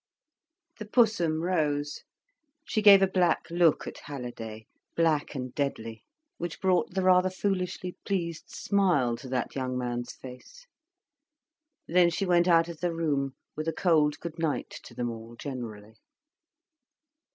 The Pussum rose. She gave a black look at Halliday, black and deadly, which brought the rather foolishly pleased smile to that young man's face. Then she went out of the room, with a cold good night to them all generally.